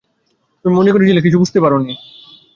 তুমি মনে করেছিলে কিছু বুঝতে পারি নি?